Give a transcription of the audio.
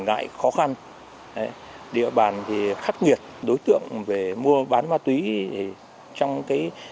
địa bàn thì khắc nghiệt đối tượng về mua bán ma túy thì chẳng hạn địa bàn thì khắc nghiệt đối tượng về mua bán ma túy thì chẳng hạn